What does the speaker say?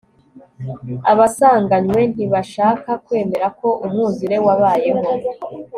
abasanganywe ntibashakaga kwemera ko umwuzure wabayeho